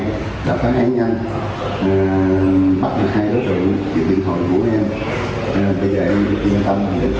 giữ điện thoại của em để tìm tâm để có điện thoại này để giao hàng